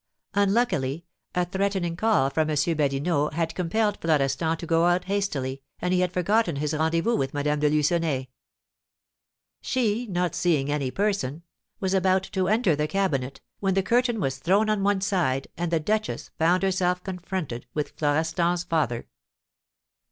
Unluckily, a threatening call from M. Badinot had compelled Florestan to go out hastily, and he had forgotten his rendezvous with Madame de Lucenay. She, not seeing any person, was about to enter the cabinet, when the curtain was thrown on one side, and the duchess found herself confronted with Florestan's father.